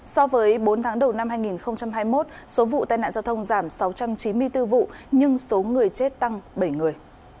so với bốn tháng đầu năm hai nghìn hai mươi một số vụ tai nạn giao thông giảm sáu trăm chín mươi bốn vụ nhưng số người chết tăng bảy người